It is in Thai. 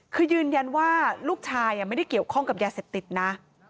คือยืนยันว่าลูกชายไม่ได้เกี่ยวข้องกับยาเสพติดนะ